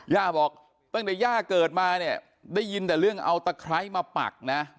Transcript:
ย่าบอกตั้งแต่ย่าเกิดมาเนี่ยได้ยินแต่เรื่องเอาตะไคร้มาปักนะ